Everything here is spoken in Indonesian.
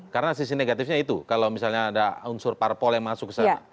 karena sisi negatifnya itu kalau misalnya ada unsur parpol yang masuk ke sana